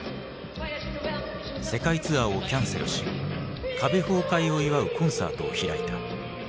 世界ツアーをキャンセルし壁崩壊を祝うコンサートを開いた。